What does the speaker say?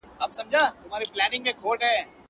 o قيامت به کله سي، چي د زوى او مور اکله سي.